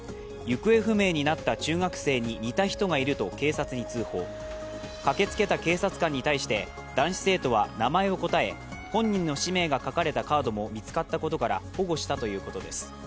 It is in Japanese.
具カーになった中学生に似た人がいると警察に通報駆けつけた警察官に対して男子生徒は名前を答え、本人の氏名が書かれたカードも見つかったことから保護したということです。